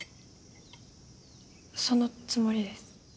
そのつもりです。